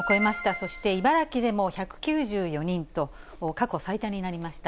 そして茨城でも１９４人と、過去最多になりました。